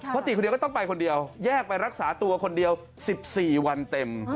เพราะติดคนเดียวก็ต้องไปคนเดียวแยกไปรักษาตัวคนเดียว๑๔วันเต็ม